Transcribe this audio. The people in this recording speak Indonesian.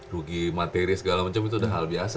rugi materi segala macam itu udah hal biasa